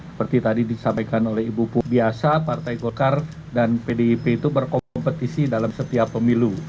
seperti tadi disampaikan oleh ibu pu biasa partai golkar dan pdip itu berkompetisi dalam setiap pemilu